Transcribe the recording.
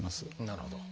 なるほど。